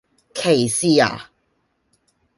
歧視呀?